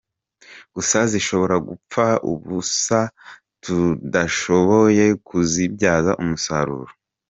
Gusa zishobora gupfa ubusa tudashoboye kuzibyaza umusaruro.